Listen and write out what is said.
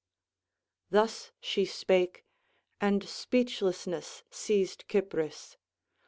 Thus she spake, and speechlessness seized Cypris.